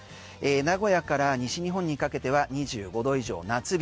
名古屋から西日本にかけては２５度以上、夏日。